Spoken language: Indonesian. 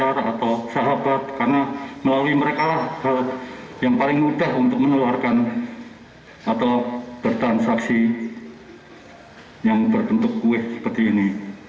mereka yang paling mudah untuk meneluarkan atau bertransaksi yang berbentuk kue seperti ini